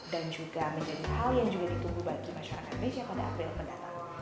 dan juga menjadi hal yang juga ditunggu bagi masyarakat indonesia pada april mendatang